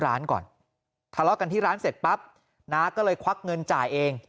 ร้านก่อนทะเลาะกันที่ร้านเสร็จปั๊บน้าก็เลยควักเงินจ่ายเอง